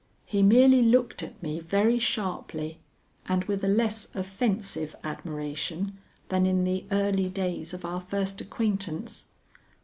He merely looked at me very sharply and with a less offensive admiration than in the early days of our first acquaintance.